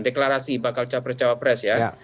deklarasi bakal capres cawapres ya